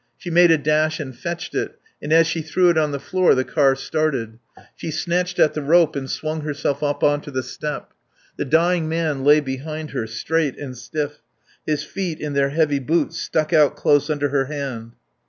She made a dash and fetched it, and as she threw it on the floor the car started. She snatched at the rope and swung herself up on to the step. The dying man lay behind her, straight and stiff; his feet in their heavy boots stuck out close under her hand.